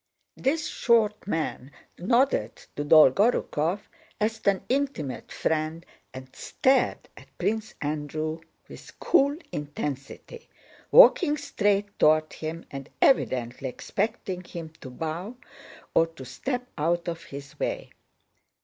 This short man nodded to Dolgorúkov as to an intimate friend and stared at Prince Andrew with cool intensity, walking straight toward him and evidently expecting him to bow or to step out of his way.